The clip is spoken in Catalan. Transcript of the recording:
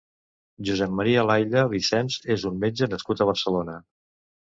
Josep Maria Lailla Vicens és un metge nascut a Barcelona.